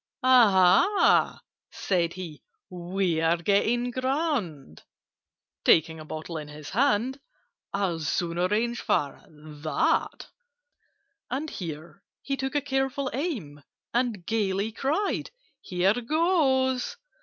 "Aha," said he, "we're getting grand!" (Taking a bottle in his hand) "I'll soon arrange for that!" And here he took a careful aim, And gaily cried "Here goes!"